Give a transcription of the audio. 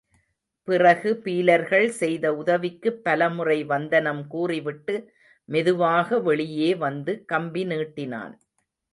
பிறகு பீலர்கள் செய்த உதவிக்குப் பலமுறை வந்தனம் கூறிவிட்டு, மெதுவாக வெளியே வந்து கம்பி நீட்டினான்.